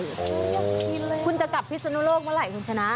อยากกินเลยคุณจะกลับพิศนุโลกเมื่อไหร่คุณชนะ